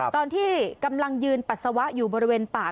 ตอนที่กำลังยืนปัสสาวะอยู่บริเวณปาก